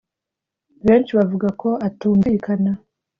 benshi bavuga ko atumvikana